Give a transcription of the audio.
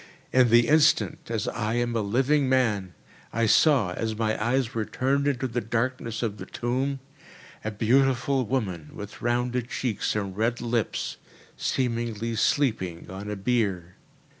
In the instant, as I am a living man, I saw, as my eyes were turned into the darkness of the tomb, a beautiful woman, with rounded cheeks and red lips, seemingly sleeping on a bier.